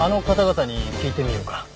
方々に聞いてみようか。